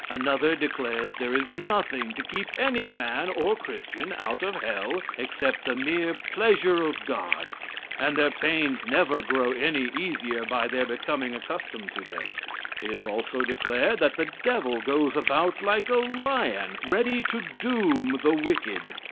Another declares there is nothing to keep any man or Christian out of hell except the mere pleasure of God, and their pains never grow any easier by their becoming accustomed to them. It is also declared that the devil goes about like a lion, ready to doom the wicked.